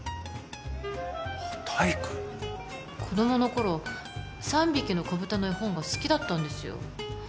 あっ大工子供の頃「三びきのこぶた」の絵本が好きだったんですよ